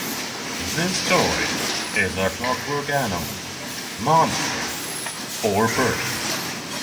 This toy is a clockwork animal, monster, or person.